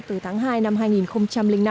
từ tháng hai năm hai nghìn năm